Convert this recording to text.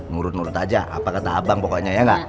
ngurut ngurut aja apa kata abang pokoknya ya gak